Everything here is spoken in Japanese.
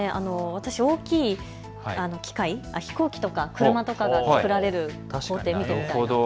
私、大きい機械、飛行機とか車とかがつくられる工程、見てみたいです。